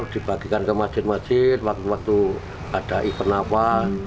dibagikan ke masjid masjid waktu waktu ada event apa